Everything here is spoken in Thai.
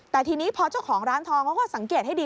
แต่ทีนี้พอเจ้าของร้านทองเขาก็สังเกตให้ดี